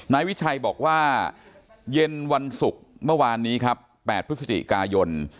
นายวิชัยบอกว่าเย็นวันศุกร์เมื่อวานนี้ครับ๘พฤศจิกายน